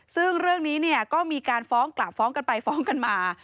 ซึ่งเรื่องนี้ก็มีการฟ้องกลับฟ้องกันไปฟ้องกันมา